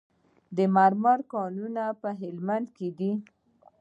د مرمرو کانونه په هلمند کې دي